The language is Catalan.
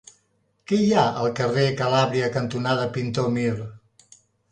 Què hi ha al carrer Calàbria cantonada Pintor Mir?